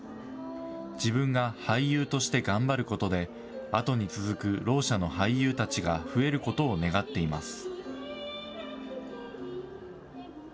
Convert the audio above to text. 自分が俳優として頑張ることで、あとに続くろう者の俳優たちが増えることを願っています。